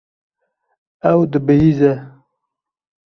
Ew dibihîze.